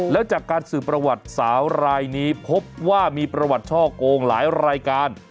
แล้วจากการสืบประวัติสาวรายนี้พบว่ามีประวัติช่อโกงหลายรายการ